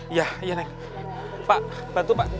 iya iya neng pak bantu pak